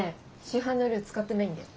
市販のルー使ってないんだよ。